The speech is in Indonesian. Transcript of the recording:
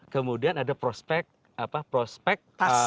kemudian ada prospek apa prospek pasarnya